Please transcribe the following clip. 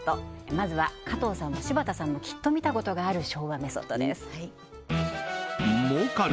まずは加藤さんも柴田さんもきっと見たことがある昭和メソッドです儲かる！